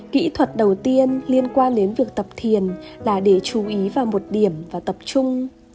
kỹ thuật đầu tiên liên quan đến việc tập thiền là để chú ý vào một điểm và tập trung